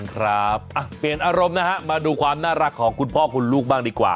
ครับเปลี่ยนอารมณ์นะฮะมาดูความน่ารักของคุณพ่อคุณลูกบ้างดีกว่า